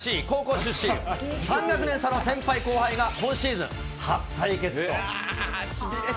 この２人、岩手・花巻東高校出身、３学年差の先輩、後輩が、今シーズン初対決と。